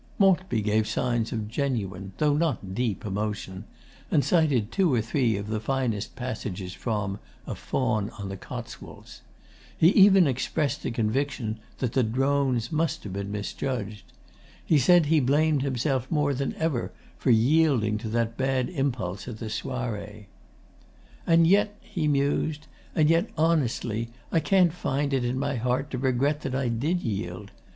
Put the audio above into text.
Maltby gave signs of genuine, though not deep, emotion, and cited two or three of the finest passages from 'A Faun on the Cotswolds.' He even expressed a conviction that 'The Drones' must have been misjudged. He said he blamed himself more than ever for yielding to that bad impulse at that Soiree. 'And yet,' he mused, 'and yet, honestly, I can't find it in my heart to regret that I did yield.